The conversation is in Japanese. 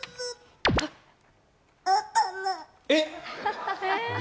えっ？